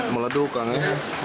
meleduk kan ya